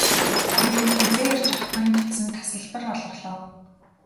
Тэгээд хэзээ ирж авахы нь бичсэн тасалбар олголоо.